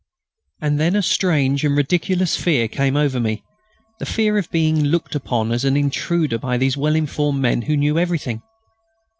And then a strange and ridiculous fear came over me; the fear of being looked upon as an intruder by these well informed men who knew everything.